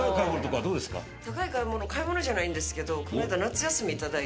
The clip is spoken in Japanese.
高い買い物買い物じゃないんですけど。